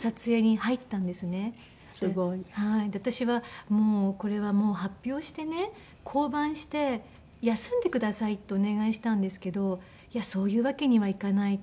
私はこれはもう発表してね降板して休んでくださいとお願いしたんですけど「いやそういうわけにはいかない」って。